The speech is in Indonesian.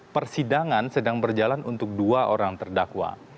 persidangan sedang berjalan untuk dua orang terdakwa